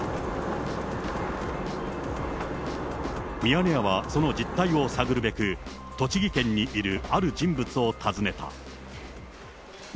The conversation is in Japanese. ミヤネ屋はその実態を探るべく、栃木県にあるある人物を訪ねた。